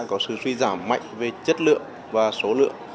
có sự suy giảm mạnh về chất lượng và số lượng